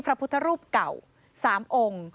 พระพุทธรูปเก่า๓องค์